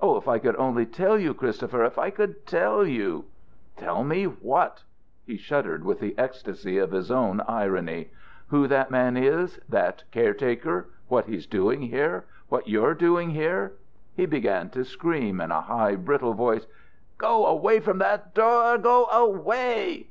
Oh, if I could only tell you, Christopher if I could tell you " "Tell me what?" He shuddered with the ecstasy of his own irony. "Who that man is? That 'caretaker'? What he's doing here? What you're doing here? " He began to scream in a high, brittle voice: "_Go away from that door! Go away!